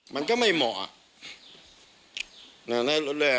มันก็ไม่เหมาะ